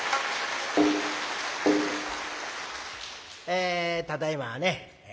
えただいまはね